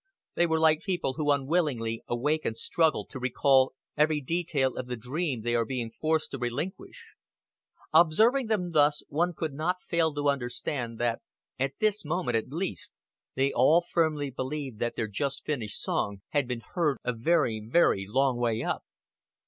They were like people who unwillingly awake and struggle to recall every detail of the dream they are being forced to relinquish. Observing them thus, one could not fail to understand that, at this moment at least, they all firmly believed that their just finished song had been heard a very, very long way up.